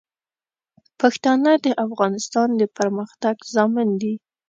پښتانه د افغانستان د پرمختګ ضامن دي.